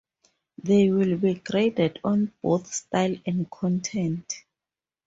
They will be graded on both style and content.